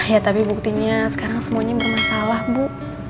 ya tapi buktinya sekarang semuanya bermasalah bu